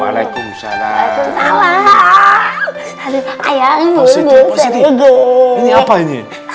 olah tuhu salam waalaikumsalam